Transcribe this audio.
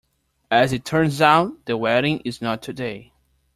As it turns out, the wedding is not today.